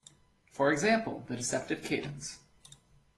For example, the deceptive cadence.